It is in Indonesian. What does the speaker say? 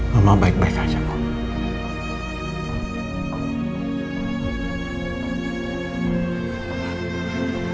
mama baik baik aja pak